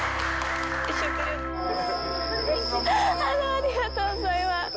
ありがとうございます。